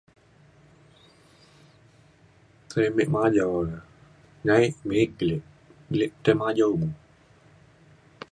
kemek maliau le. nyae me’ek le. mulek tai majau mo.